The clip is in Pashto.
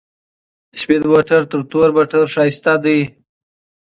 سپین موټر تر تورو موټرو ښکلی دی.